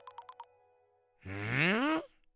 うん？